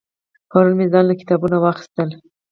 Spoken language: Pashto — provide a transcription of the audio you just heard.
پرون مې ځان له کتابونه واغستل